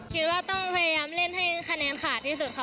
คิดว่าต้องพยายามเล่นให้คะแนนขาดที่สุดค่ะ